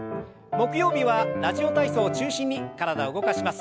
木曜日は「ラジオ体操」を中心に体を動かします。